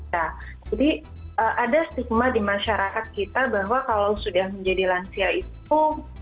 jadi ada stigma di masyarakat kita bahwa kalau sudah menjadi lansia itu